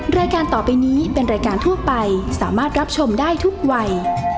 รายการต่อไปนี้เป็นรายการทั่วไปสามารถรับชมได้ทุกวัย